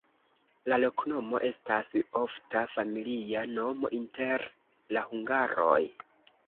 La loknomo estas ofta familia nomo inter la hungaroj.